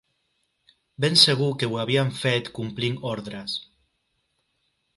Ben segur que ho havien fet complint ordres